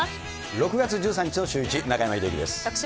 ６月１３日のシューイチ、中山秀征です。